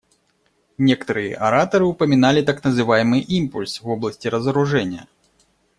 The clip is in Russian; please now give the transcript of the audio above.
Некоторые ораторы упоминали так называемый импульс в области разоружения.